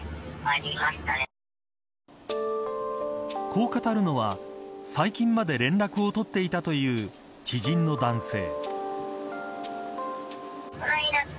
こう語るのは最近まで連絡を取っていたという知人の男性。